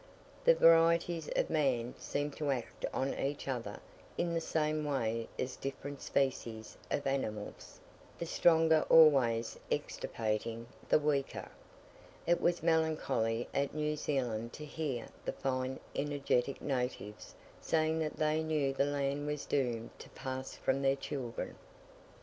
The varieties of man seem to act on each other in the same way as different species of animals the stronger always extirpating the weaker. It was melancholy at New Zealand to hear the fine energetic natives saying that they knew the land was doomed to pass from their children.